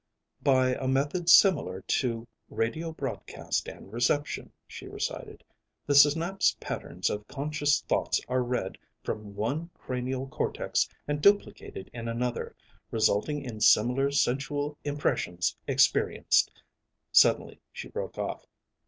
"'By a method similar to radio broadcast and reception,'" she recited, "'the synapse patterns of conscious thoughts are read from one cranial cortex and duplicated in another, resulting in similar sensual impressions experienced '" Suddenly she broke off.